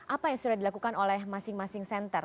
apa yang sudah dilakukan oleh masing masing center